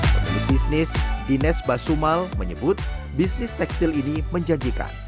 pemilik bisnis dinas basumal menyebut bisnis tekstil ini menjanjikan